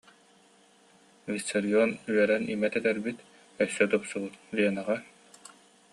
Виссарион үөрэн имэ тэтэрбит, өссө тупсубут ленаҕа: